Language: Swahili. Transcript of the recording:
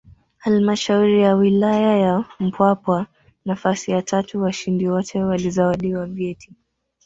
Halmashauri ya Wilaya ya Mpwapwa nafasi ya tatu washindi wote walizawadiwa vyeti